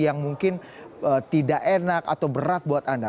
yang mungkin tidak enak atau berat buat anda